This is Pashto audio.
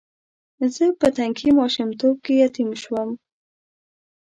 زه په تنکي ماشومتوب کې یتیم شوم.